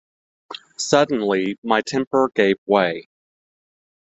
Suddenly my temper gave way.